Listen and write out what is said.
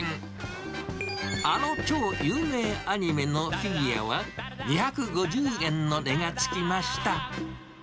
あの超有名アニメのフィギュアは、２５０円の値がつきました。